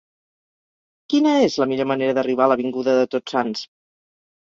Quina és la millor manera d'arribar a l'avinguda de Tots Sants?